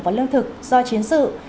và lương thực do chiến dựng